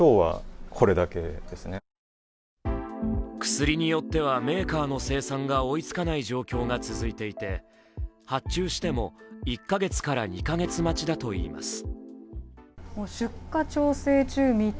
薬によってはメーカーの生産が追いつかない状況が続いていて発注しても１か月から２か月待ちだといいます。